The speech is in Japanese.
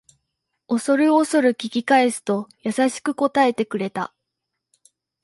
おそるおそる聞き返すと優しく答えてくれた